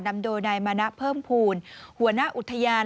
นำโดยนายมณะเพิ่มภูมิหัวหน้าอุทยาน